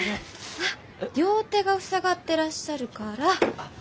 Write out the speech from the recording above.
あっ両手が塞がってらっしゃるから。